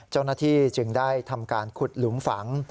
เจ้าหน้าที่จึงได้ทำการขุดหลุมฝัง